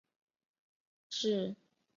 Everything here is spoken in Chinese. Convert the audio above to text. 治所在牂牁县。